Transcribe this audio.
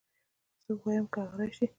څه ووايم که هغه راشي